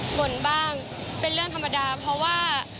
บ่นบ้างเป็นเรื่องธรรมดาเพราะว่า